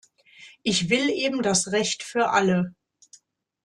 Ich will eben das Recht für alle.